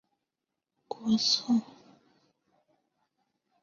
宋太祖之后的皇帝均遵守此国策。